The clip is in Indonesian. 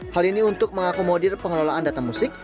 hal ini untuk mengakomodir pengelolaan data musik